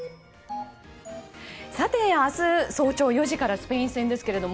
さて、明日早朝４時からスペイン戦ですけれども